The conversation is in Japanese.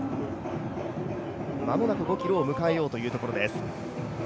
間もなく５ｋｍを迎えようというところです。